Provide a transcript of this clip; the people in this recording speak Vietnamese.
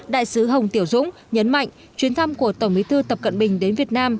đại sứ hồng tiểu dũng nhấn mạnh chuyến thăm của tổng bí thư tập cận bình đến việt nam